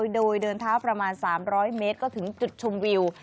โดยเดินเท้าประมาณ๓๐๐เมตรก็ถึงจุดชมวิว